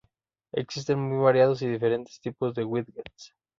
Existen muy variados y diferentes tipos de widgets.